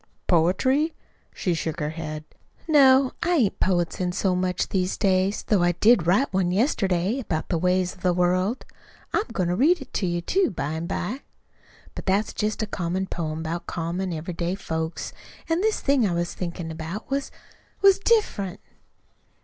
"Poetry?" She shook her head. "No. I ain't poetizin' so much these days, though I did write one yesterday about the ways of the world. I'm goin' to read it to you, too, by an' by. But that's jest a common poem about common, every day folks. An' this thing I was thinkin' about was was diff'rent."